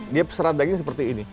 dia seram daging seperti ini